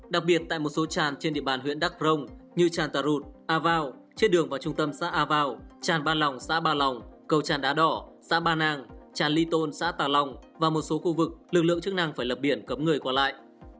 đặc biệt tại một số tràn trên địa bàn huyện đắk rông như tràng tà rụt a vao trên đường vào trung tâm xã a vào tràn ba lòng xã ba lòng cầu tràn đá đỏ xã ba nang tràn ly tôn xã tà long và một số khu vực lực lượng chức năng phải lập biển cấm người qua lại